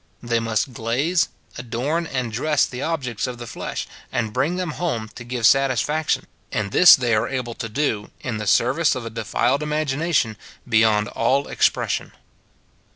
They must glaze, adorn, and dress the objects of the flesh, and bring them home to give satisfaction ; and this they are able to do, in the service of a defiled imagination, beyond all expression.